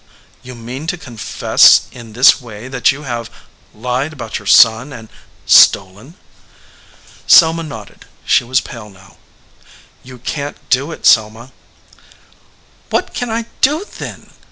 "You mean to confess in this way that you have lied about your son, and stolen?" Selma nodded. She was pale now. "You can t do it, Selma." 181 EDGEWATER PEOPLE "What can I do, then?"